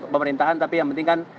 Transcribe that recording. pemerintahan tapi yang penting kan